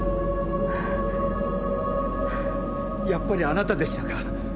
やっぱりあなたでしたか。